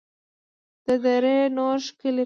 د دره نور ښکلې ده